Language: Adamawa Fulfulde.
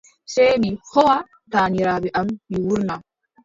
Sey mi hooʼa taaniraaɓe am, mi wuurna.